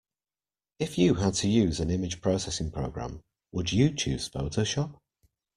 If you had to use an image processing program, would you choose Photoshop?